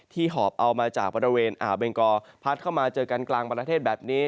หอบเอามาจากบริเวณอ่าวเบงกอพัดเข้ามาเจอกันกลางประเทศแบบนี้